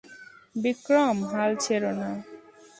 বিক্রম, হাল ছেঁড়ো না!